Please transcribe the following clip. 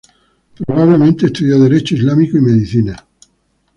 Probablemente estudió derecho islámico y medicina.